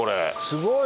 すごい！